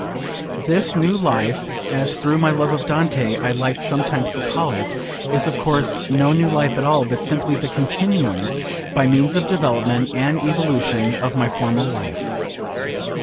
This New Life, as through my love of Dante I like sometimes to call it, is of course no new life at all, but simply the continuance, by means of development, and evolution, of my former life.